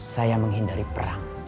saya menghindari perang